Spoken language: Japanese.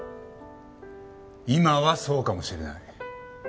今はそうかもしれない。